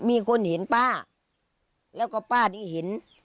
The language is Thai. มีคนเห็นป้าแล้วก็ป้าได้เห็น